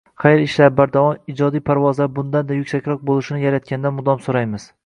xayr ishlari bardavom, ijodiy parvozlari bundan-da yuksakroq bo‘lishini Yaratgandan mudom so‘raymiz!